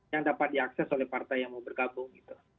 yang dapat diakses oleh partai yang mau bergabung gitu